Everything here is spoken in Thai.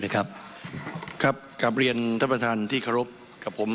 ครับกราบเรียนทั้งประธานที่ขอรับกับผม